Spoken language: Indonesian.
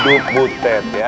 hidup butet ya